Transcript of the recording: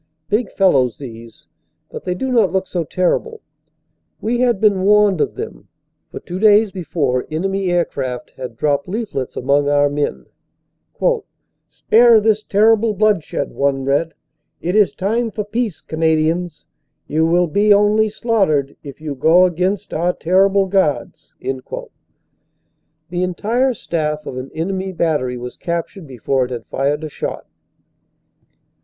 Big fellows these, but they do not look so terrible. We had been warned of them, for two days before enemy aircraft had dropped leaflets among our men: "Spare this terrible bloodshed," one read. "It is time for peace, Canadians; you will be only slaughtered if you go against our terrible Guards." The entire staff of an enemy battery was captured before it had fired a shot.